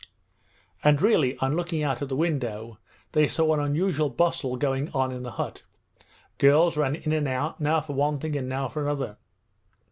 And really, on looking out of the window they saw an unusual bustle going on in the hut. Girls ran in and out, now for one thing and now for another.